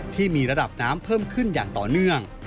ที่มีระดับน้ำเพิ่มขึ้นอย่างต่อเนื่อง